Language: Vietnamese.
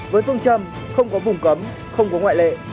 với phương châm không có vùng cấm không có ngoại lệ